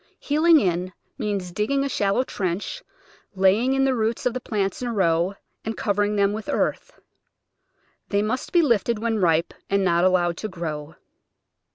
Heeling in means digging a shallow trench, laying in the roots of the plants in a row, and covering them with earth. They must be lifted when ripe and not allowed to grow.